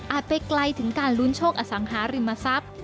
ไปไกลถึงการลุ้นโชคอสังหาริมทรัพย์